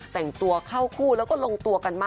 แต่งตัวเข้าคู่แล้วก็ลงตัวกันมาก